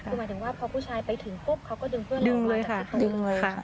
คือหมายถึงว่าพอผู้ชายไปถึงพบเขาก็ดึงเพื่อนลงไปดึงเลยค่ะดึงเลยค่ะ